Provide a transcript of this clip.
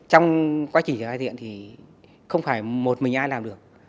trong quá trình triển khai thiện thì không phải một mình ai làm được